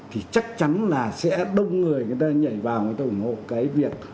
thì chắc chắn là sẽ đông người người ta nhảy vào người ta ủng hộ cái việc